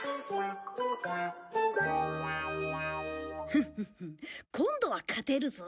フフフッ今度は勝てるぞ。